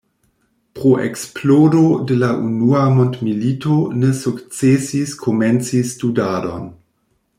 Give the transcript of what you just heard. Pro eksplodo de la unua mondmilito ne sukcesis komenci studadon.